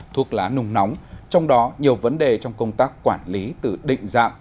thuốc lá nung nóng trong đó nhiều vấn đề trong công tác quản lý từ định dạng